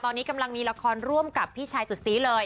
ตอนนี้กำลังมีละครร่วมกับพี่ชายสุดซีเลย